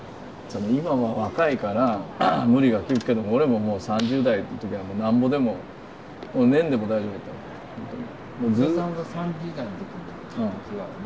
今は若いから無理が利くけど俺ももう３０代の時はなんぼでも寝んでも大丈夫やったほんとに。